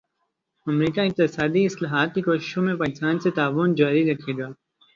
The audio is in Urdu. امریکا اقتصادی اصلاحات کی کوششوں میں پاکستان سے تعاون جاری رکھے گا